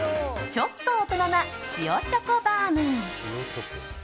ちょっと大人な塩チョコバウム。